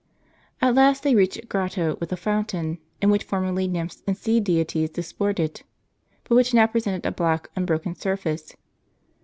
At last they reached a grotto with a fountain, in which formerly nymphs and sea deities disported, but which now presented a black unbroken surface.